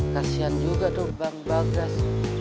kasian juga tuh bang pak gas